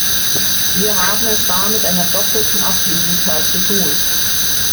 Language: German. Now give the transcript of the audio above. Wir haben es da mit einer doppelten Abwegigkeit zu tun.